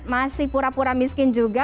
masih pura pura miskin juga